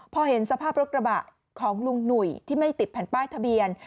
พอเห็นสภาพรถกระบะของลุงหนุ่ยที่ไม่ติดแผ่นป้ายทะเบียน